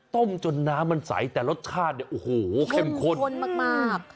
ต้มจนน้ำมันใสแต่รสชาติโอ้โหเค็มขนโข้มขนมาก